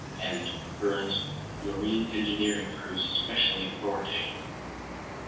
And Verne's marine engineering proves especially authoritative.